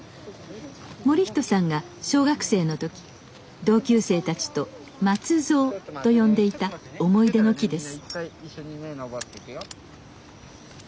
盛人さんが小学生の時同級生たちと「まつぞう」と呼んでいた思い出の木です。